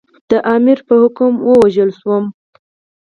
د امیر په حکم ووژل شوم.